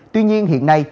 tuy nhiên hiện nay